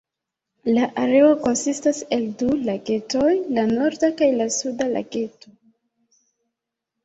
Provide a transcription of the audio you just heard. La areo konsistas el du lagetoj, la "Norda" kaj la "Suda" Lageto.